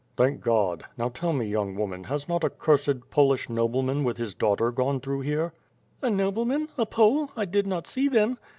"Thank God! Now, tell me young woman, has not a cursed Polish nobleman with his daughter gone through here?" "A nobleman? A Pole? I did not see them."